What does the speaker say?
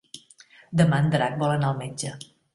Demà en Drac vol anar al metge.